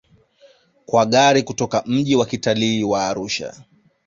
Kwa gari kutoka mji wa kitalii wa Arusha